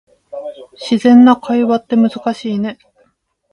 自然な会話って難しいね